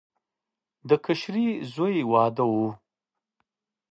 د کشري زوی واده و.